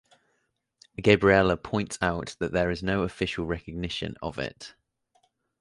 Gabriella points out that there is no official recognition of it.